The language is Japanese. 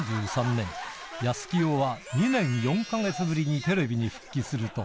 １９７３年、やすきよは２年４か月ぶりにテレビに復帰すると。